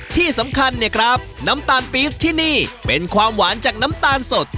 ที่สำคัญเนี่ยครับน้ำตาลปี๊บที่นี่เป็นความหวานจากน้ำตาลสด